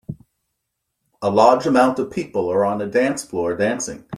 A large amount of people are on a dance floor dancing.